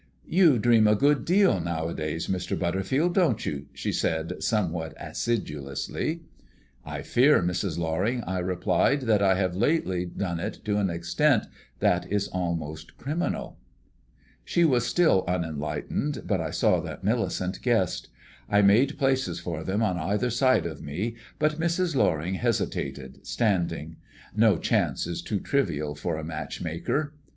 "You dream a good deal nowadays, Mr. Butterfield, don't you?" she said, somewhat acidulously. "I fear, Mrs. Loring," I replied, "that I have lately done it to an extent that is almost criminal." She was still unenlightened, but I saw that Millicent guessed. I made places for them on either side of me, but Mrs. Loring hesitated, standing. No chance is too trivial for a matchmaker.